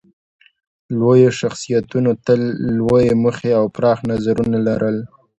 لویو شخصیتونو تل لویې موخې او پراخ نظرونه لرل.